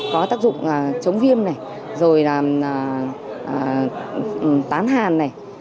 có tác dụng chống viêm này rồi là tán hàn này